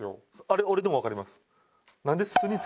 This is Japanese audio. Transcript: あれ俺でもわかります。